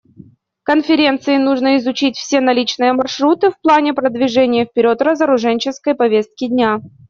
Конференции нужно изучить все наличные маршруты в плане продвижения вперед разоруженческой повестки дня.